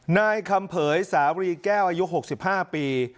นายคำเผยสารีแก้วอายุ๖๕ปี